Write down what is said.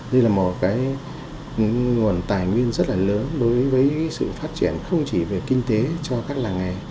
đây là một nguồn tài nguyên rất là lớn đối với sự phát triển không chỉ về kinh tế cho các làng nghề